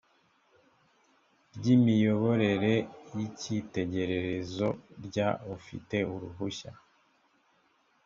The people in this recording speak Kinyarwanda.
ry imiyoboro y icyitegererezo ry ufite uruhushya